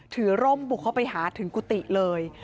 ร่มบุกเข้าไปหาถึงกุฏิเลย